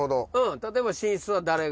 例えば寝室は誰が。